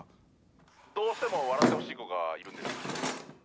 「どうしても笑ってほしい子がいるんです」